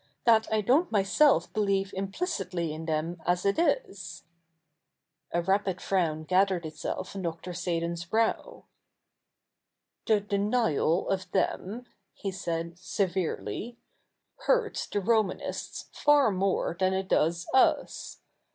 'that I don't myself believe implicitly in them, as it is.' A rapid frown gathered itself on Dr. Seydon's brow. 'The denial of them,' he said severely, 'hurts the Romanists far more than it does us.